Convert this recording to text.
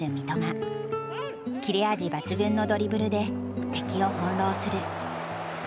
切れ味抜群のドリブルで敵を翻弄する。